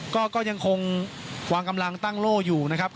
ก็ยังคงวางกำลังตั้งโล่อยู่นะครับ